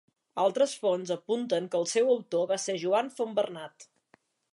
Altres fonts apunten que el seu autor va ser Joan Fontbernat.